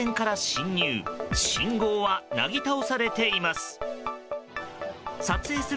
信号は、なぎ倒されています。